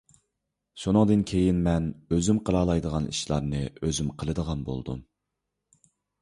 شۇنىڭدىن كېيىن مەن ئۆزۈم قىلالايدىغان ئىشلارنى ئۆزۈم قىلىدىغان بولدۇم.